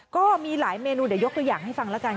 ก็มีหลายเมนูเดี๋ยวยกตัวอย่างให้ฟังแล้วกัน